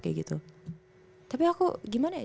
kayak gitu tapi aku gimana ya